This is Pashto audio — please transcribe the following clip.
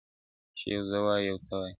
چي یو زه وای یوه ته وای-